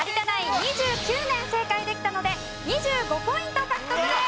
２９年正解できたので２５ポイント獲得です。